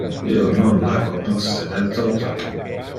Io non la cognosce del toto.